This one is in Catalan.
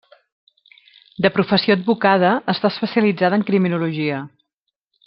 De professió advocada, està especialitzada en criminologia.